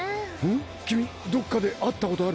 キミどっかであったことある？